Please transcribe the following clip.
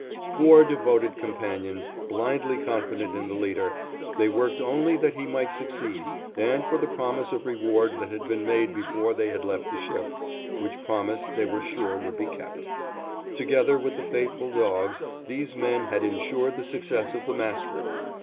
Four devoted companions, blindly confident in the leader, they worked only that he might succeed and for the promise of reward that had been made before they had left the ship, which promise they were sure would be kept. Together with the faithful dogs, these men had insured the success of the master.